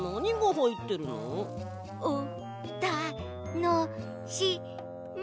おたのしみ。